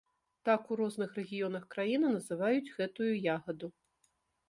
Так у розных рэгіёнах краіны называюць гэтую ягаду.